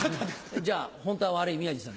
じゃあホントは悪い宮治さん。